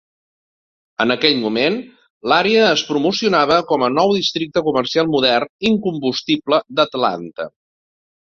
En aquell moment, l'àrea es promocionava com a "nou districte comercial modern incombustible d'Atlanta".